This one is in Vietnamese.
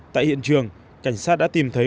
tại hiện trường cảnh sát đã tìm thấy